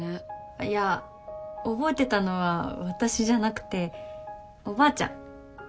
いや覚えてたのは私じゃなくておばあちゃん。